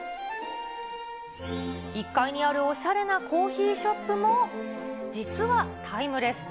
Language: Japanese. １階にあるおしゃれなコーヒーショップも、実はタイムレス。